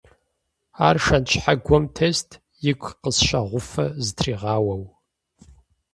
Ар шэнт щхьэгуэм тест, игу къысщӀэгъуфэ зытригъэуауэ.